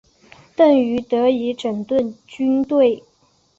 邓禹得以整顿军队。